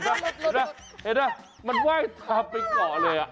มันไหวว่างเธอกลับไปเกาะเลย